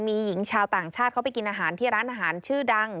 มีหญิงชาวต่างชาติเขาไปกินอาหารที่ร้านอาหารชื่อดัง